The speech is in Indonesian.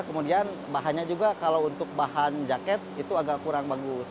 kemudian bahannya juga kalau untuk bahan jaket itu agak kurang bagus